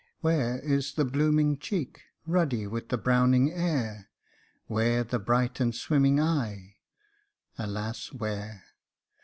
Where is the blooming cheek, ruddy with the browning air ? where the bright and swimming eye ? Alas ! where